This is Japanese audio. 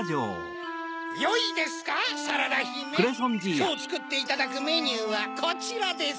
きょうつくっていただくメニューはこちらです。